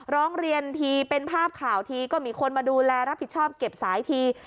ร้องเรียนทีเป็นภาพข่าวทีก็มีคนมาดูแลรับผิดชอบเก็บสายที